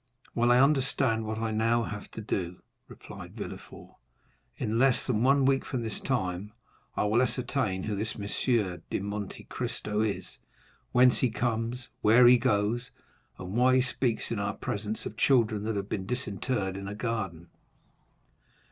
"Well, I understand what I now have to do," replied Villefort. "In less than one week from this time I will ascertain who this M. de Monte Cristo is, whence he comes, where he goes, and why he speaks in our presence of children that have been disinterred in a garden."